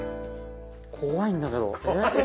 怖いんだけど。